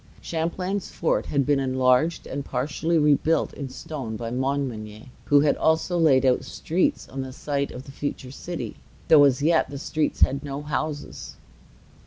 Champlain's fort had been enlarged and partly rebuilt in stone by Montmagny, who had also laid out streets on the site of the future city, though as yet the streets had no houses.